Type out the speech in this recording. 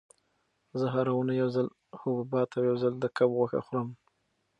زه هره اونۍ یو ځل حبوبات او یو ځل د کب غوښه خورم.